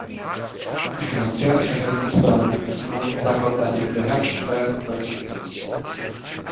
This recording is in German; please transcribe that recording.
Die finanziellen Verhältnisse erlaubten es nun, Lacock Abbey wiederherzustellen und als Wohnsitz zu nutzen.